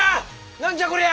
何じゃこりゃ！